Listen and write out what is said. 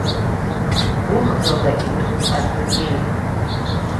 Гәыӷрала иҭәуп адунеи.